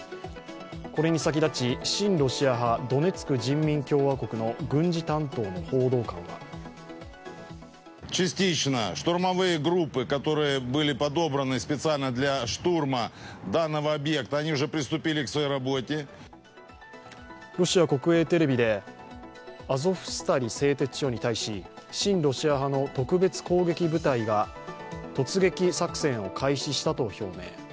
これに先立ち親ロシア派ドネツク人民共和国の軍事担当の報道官はロシア国営テレビで、アゾフスタリ製鉄所に対し、親ロシア派の特別攻撃部隊が突撃作戦を開始したと表明。